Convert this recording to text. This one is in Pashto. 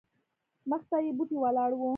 مخته یې بوټې ولاړ وو.